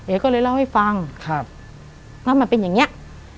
เอ๋ก็เลยเล่าให้ฟังแล้วมันเป็นอย่างเนี่ย